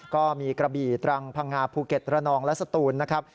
ก็มีกระบี่ตรังพังงาภูเก็ตระนองและสตูนนะครับ